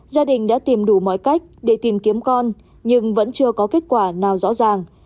gia đình đã tìm đủ mọi cách để tìm kiếm con nhưng vẫn chưa có kết quả nào rõ ràng